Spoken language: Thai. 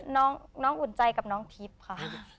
น้องน้องอุ่นใจกับน้องอุ่นใจกับน้องทิพย์ค่ะ